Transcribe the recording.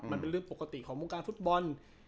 มันเป็นเรื่องปกติของวงการฟุตบอล